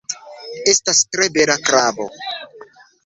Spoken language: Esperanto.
Estas tre bela krabo